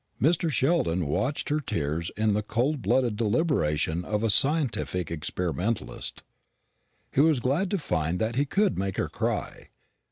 Mr. Sheldon watched her tears with the cold blooded deliberation of a scientific experimentalist. He was glad to find that he could make her cry.